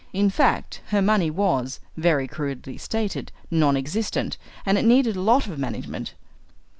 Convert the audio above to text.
In fact, her money was, very crudely stated, nonexistent, and it needed a lot of management.